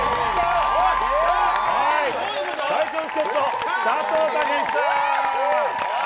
最強助っ人、佐藤健さん！